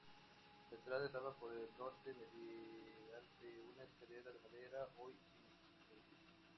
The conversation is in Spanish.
La entrada estaba por el norte, mediante una escalera de madera hoy inexistente.